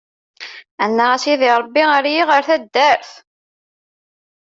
Annaɣ a Sidi Ṛebbi, err-iyi ɣer taddart.